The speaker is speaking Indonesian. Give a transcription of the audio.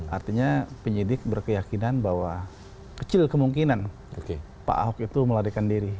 artinya penyidik berkeyakinan bahwa kecil kemungkinan pak ahok itu melarikan diri